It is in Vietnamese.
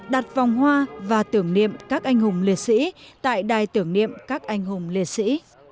đặt vòng hoa và tưởng niệm các anh hùng liệt sĩ tại đài tưởng niệm các anh hùng liệt sĩ